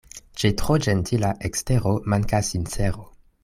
Ĉe tro ĝentila ekstero mankas sincero.